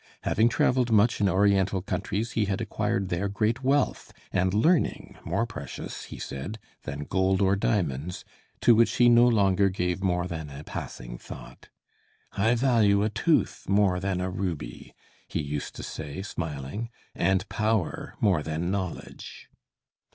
Having traveled much in Oriental countries he had acquired there great wealth and learning more precious, he said, than gold or diamonds, to which he no longer gave more than a passing thought. "I value a tooth more than a ruby," he used to say, smiling, "and power more than knowledge."